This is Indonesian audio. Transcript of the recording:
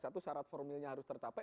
satu syarat formilnya harus tercapai